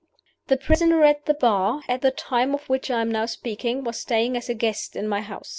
"The prisoner at the bar, at the time of which I am now speaking, was staying as a guest in my house.